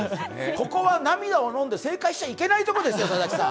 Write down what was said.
ここは涙をのんで、正解しちゃいけないところですよ、佐々木さん。